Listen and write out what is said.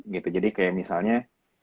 gitu jadi kayak misalnya